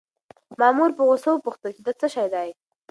مامور په غوسه وپوښتل چې دا څه شی دی؟